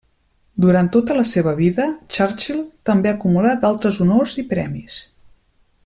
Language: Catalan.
Durant tota la seva vida, Churchill també acumulà d'altres honors i premis.